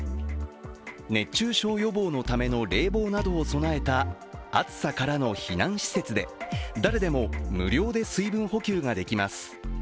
熱中症予防のための冷房などを備えた暑さからの避難施設で、誰でも無料で水分補給ができます。